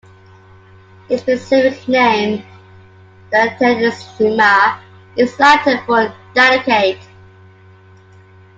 Its specific name "delicatissima" is Latin for "delicate".